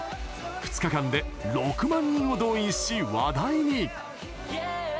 ２日間で６万人を動員し話題に！